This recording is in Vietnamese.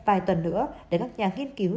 vài tuần nữa để các nhà nghiên cứu